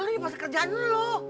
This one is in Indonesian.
lo ini pas kerjaan lo